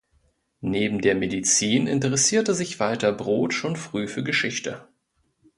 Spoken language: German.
Neben der Medizin interessierte sich Walter Brod schon früh für Geschichte.